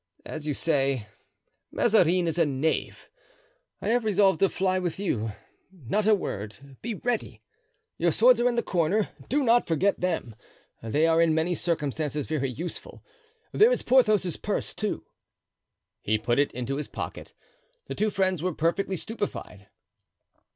As you say, Mazarin is a knave. I have resolved to fly with you, not a word—be ready. Your swords are in the corner; do not forget them, they are in many circumstances very useful; there is Porthos's purse, too." He put it into his pocket. The two friends were perfectly stupefied.